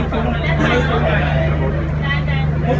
ขอบคุณค่ะ